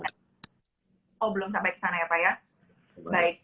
kita belum ada penelitian sampai ke sana